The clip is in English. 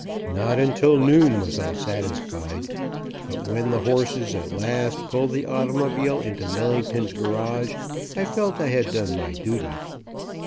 Not until noon was I satisfied, but when the horses at last pulled the automobile into Millington's garage I felt I had done my duty.